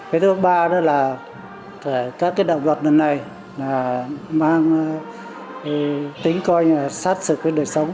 cái thứ ba đó là các cái động luật lần này là mang tính coi như là sát sực cái đời sống